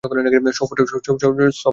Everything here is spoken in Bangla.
Soft tissue sarcoma.